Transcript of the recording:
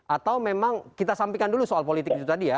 atau memang kita sampaikan dulu soal politik itu tadi ya